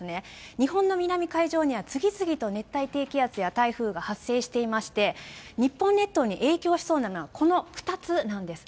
日本の南海上には次々と熱帯低気圧や台風が発生していまして、日本列島に影響しそうなのは、この２つなんです。